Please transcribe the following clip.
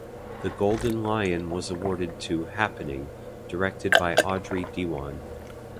The Golden Lion was awarded to "Happening" directed by Audrey Diwan.